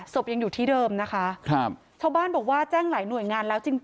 ศพยังอยู่ที่เดิมนะคะครับชาวบ้านบอกว่าแจ้งหลายหน่วยงานแล้วจริง